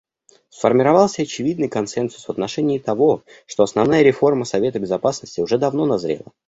Сформировался очевидный консенсус в отношении того, что основная реформа Совета Безопасности уже давно назрела.